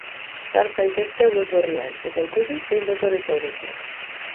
Sar zaitezte web orrian, eta ikusi zein dotore zaudeten!